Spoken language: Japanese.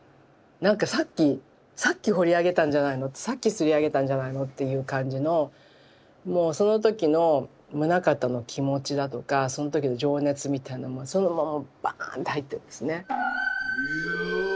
なんかさっきさっき彫り上げたんじゃないのってさっきすりあげたんじゃないのっていう感じのもうその時の棟方の気持ちだとかその時の情熱みたいなものそのままバーンって入ってるんですね。